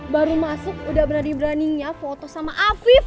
baru masuk udah bener bener berani nge photo sama aviv